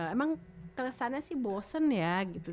emang kesannya sih bosen ya gitu